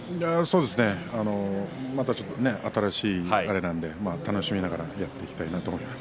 また新しいあれなので楽しみながらやっていきたいと思います。